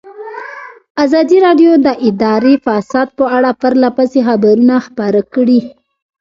ازادي راډیو د اداري فساد په اړه پرله پسې خبرونه خپاره کړي.